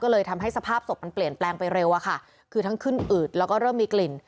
ก็เลยทำให้สภาพศพมันเปลี่ยนแปลงไปเร็วอะค่ะคือทั้งขึ้นอืดแล้วก็เริ่มมีกลิ่น